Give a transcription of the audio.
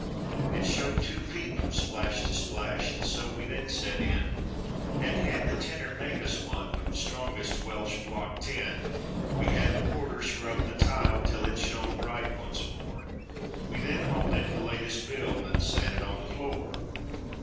It showed two feet from splash to splash and so we then set in And had the tinner make us one from strongest Welsh block tin. We had the porter scrub the tile till it shown bright once more; We then hauled in the latest build and sat it on the floor.